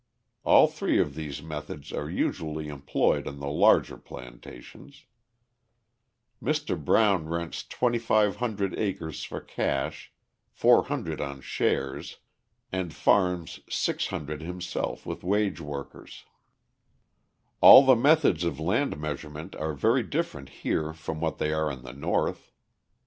All three of these methods are usually employed on the larger plantations. Mr. Brown rents 2,500 acres for cash, 400 on shares, and farms 600 himself with wage workers. All the methods of land measurement are very different here from what they are in the North.